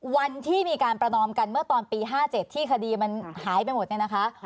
วันที่มีการประนอมกันเมื่อตอนปี๕๗ที่คดีมันหายไปหมดเนี่ยนะคะ